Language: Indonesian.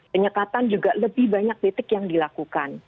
penyekatan juga lebih banyak titik yang dilakukan